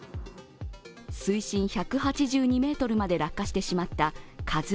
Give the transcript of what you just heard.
水深１８２ｍまで落下してしまった「ＫＡＺＵⅠ」。